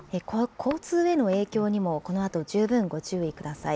交通への影響にもこのあと十分ご注意ください。